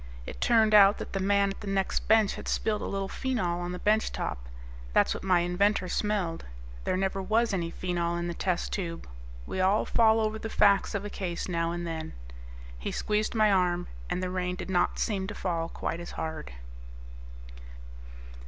It turned out that the man at the next bench had spilled a little phenol on the bench top. That's what my inventor smelled; there never was any phenol in the test tube. We all fall over the facts of a case now and then." He squeezed my arm, and the rain did not seem to fall quite as hard.